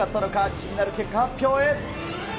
気になる結果発表へ。